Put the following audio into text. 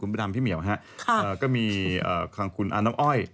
ปฎามพี่เมียวฮะก็มีคักขุอนมนตร์น้ำอ้อย